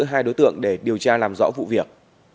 hai đối tượng để điều tra làm rõ vụ việc